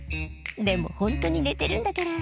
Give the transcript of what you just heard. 「でもホントに寝てるんだから」